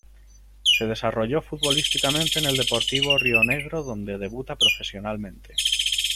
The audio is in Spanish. Se desarrolló futbolísticamente en el Deportivo Rionegro donde debuta profesionalmente.